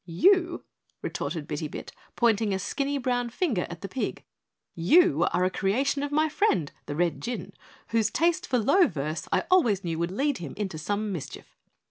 "You," retorted Bitty Bit, pointing a skinny brown finger at the pig, "you are a creation of my friend, the Red Jinn, whose taste for low verse I always knew would lead him into some mischief."